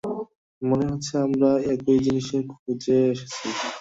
মনে হচ্ছে আমরা একই জিনিসের খোঁজে এসেছি।